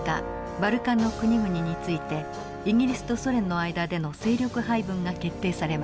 バルカンの国々についてイギリスとソ連の間での勢力配分が決定されました。